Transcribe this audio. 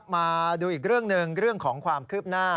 มาดูอีกเรื่องหนึ่งเรื่องของความคืบหน้า